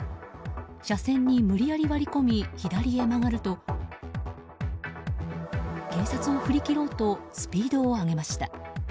車線に無理やり割り込み左へ曲がると警察を振り切ろうとスピードを上げました。